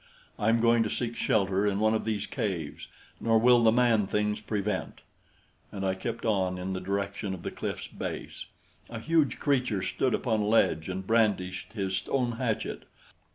"I am going to seek shelter in one of these caves; nor will the man things prevent." And I kept on in the direction of the cliff's base. A huge creature stood upon a ledge and brandished his stone hatchet.